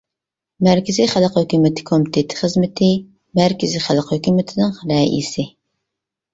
مەركىزىي خەلق ھۆكۈمىتى كومىتېتى خىزمىتى مەركىزىي خەلق ھۆكۈمىتىنىڭ رەئىسى.